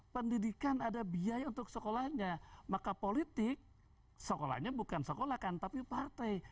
pendidikan ada biaya untuk sekolahnya maka politik sekolahnya bukan sekolah kan tapi partai